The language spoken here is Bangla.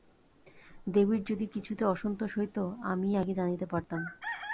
দেবীর যদি কিছুতে অসন্তোষ হইত, আমিই আগে জানিতে পারিতাম।